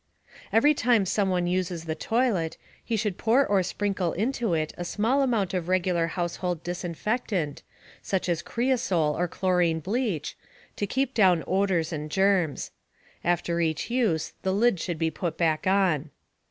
Every time someone uses the toilet, he should pour or sprinkle into it a small amount of regular household disinfectant, such as creosol or chlorine bleach, to keep down odors and germs. After each use, the lid should be put back on.